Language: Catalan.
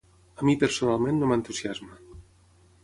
A mi personalment no m’entusiasma.